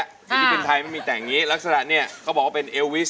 ศิลปินไทยไม่มีแต่งอย่างนี้ลักษณะเนี่ยเขาบอกว่าเป็นเอลวิส